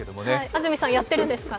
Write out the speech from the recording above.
安住さんやっているんですか。